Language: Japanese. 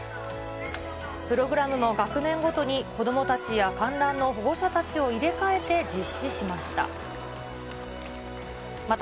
プログラムも学年ごとに子どもたちや観覧の保護者たちを入れ替えて実施しました。